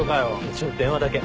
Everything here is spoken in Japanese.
ちょっと電話だけ。